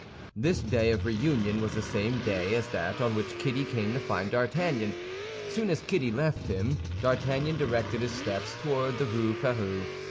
This day of reunion was the same day as that on which Kitty came to find D'Artagnan. Soon as Kitty left him, D'Artagnan directed his steps toward the Rue Férou.